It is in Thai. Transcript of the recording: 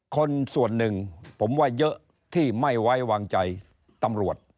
คนส่วนหนึ่งผมว่าเยอะที่ไม่ไว้วางใจตำรวจ